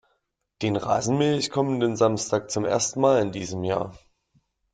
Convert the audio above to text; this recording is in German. Den Rasen mähe ich kommenden Samstag zum ersten Mal in diesem Jahr.